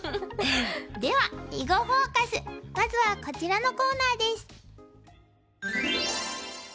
では「囲碁フォーカス」まずはこちらのコーナーです。